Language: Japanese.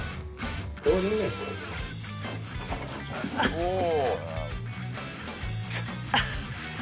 おお！